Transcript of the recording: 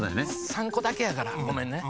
３個だけやからごめんね。